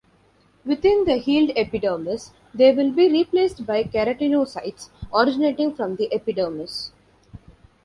Within the healed epidermis they will be replaced by keratinocytes originating from the epidermis.